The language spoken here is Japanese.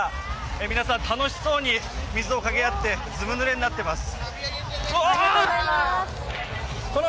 皆さん、楽しそうに水をかけ合ってずぶぬれになっています。